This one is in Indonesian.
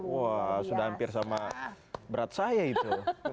delapan tiga wah sudah hampir sama berat saya itu